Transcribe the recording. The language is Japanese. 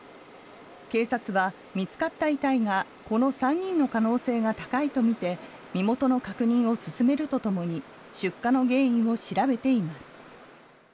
警察は見つかった遺体がこの３人の可能性が高いとみて身元の確認を進めるとともに出火の原因を調べています。